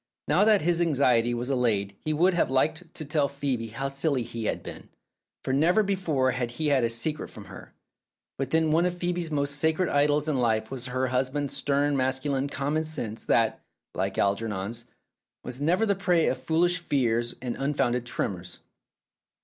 Now that his anxiety was allayed he would have liked to tell Phcebe how silly he had been, for never before had he had a secret from her. But then one of Phoebe's most sacred idols in life was her husband's stern masculine common sense that (like Algernon's) was never the prey of foolish fears and unfounded tremors.